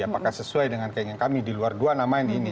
apakah sesuai dengan keinginan kami di luar dua nama ini